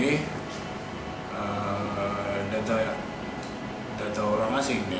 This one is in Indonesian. ini data orang asing